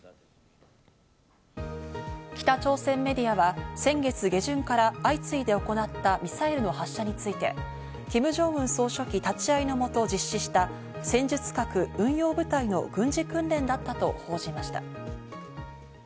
北朝鮮メディアは先月下旬から相次いで行ったミサイルの発射について、キム・ジョンウン総書記立ち会いのもと実施した、戦術核運用部隊の軍事訓練だったと報じました。